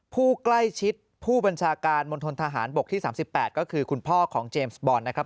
ผู้ใกล้ชิดผู้บัญชาการมณฑนทหารบกที่๓๘ก็คือคุณพ่อของเจมส์บอลนะครับ